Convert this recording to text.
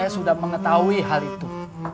sudah mengetahui hal itu